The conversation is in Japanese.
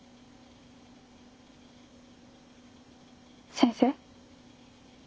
先生？